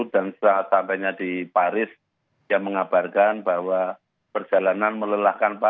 dan saat sampai di paris dia mengabarkan bahwa perjalanan melelahkan pak